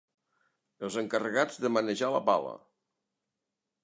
Els encarregats de manejar la pala.